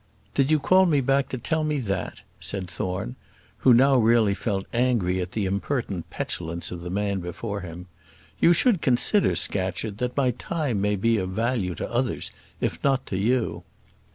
"Did you call me back to tell me that?" said Thorne, who now realy felt angry at the impertinent petulance of the man before him: "you should consider, Scatcherd, that my time may be of value to others, if not to you."